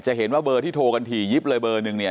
เห็นว่าเบอร์ที่โทรกันถี่ยิบเลยเบอร์หนึ่งเนี่ย